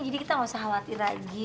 jadi kita gak usah khawatir lagi